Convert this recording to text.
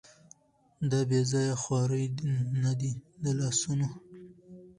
دا بېځايه خوارۍ نه دي د لاسونو